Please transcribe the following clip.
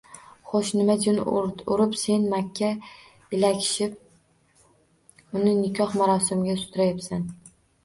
Xo`sh, nima jin urib sen Makka ilakishib, uni nikoh marosimiga sudrayapsan